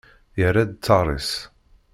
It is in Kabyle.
Yerra-d ttar-is.